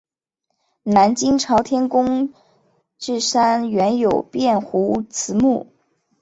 南京朝天宫冶山原有卞壸祠墓。